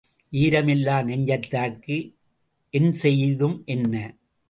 ஈரம் இல்லா நெஞ்சத்தார்க்கு என் செய்தும் என்ன?